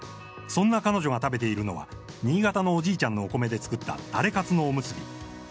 そんな彼女が食べているのは新潟県のおじいちゃんのお米で作ったタレかつのおむすび。